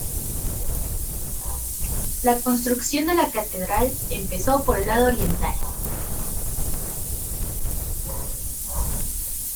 La construcción de la catedral empezó por el lado oriental.